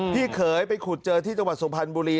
ที่เคยไปขุดเจอที่จังหวัดสุภัณฑ์บุรี